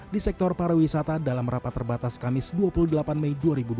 di sektor pariwisata dalam rapat terbatas kamis dua puluh delapan mei dua ribu dua puluh